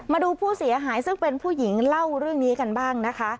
มาดูผู้เสียหายซึ่งเป็นผู้หญิงเล่าเรื่องนี้กันบ้างนะคะ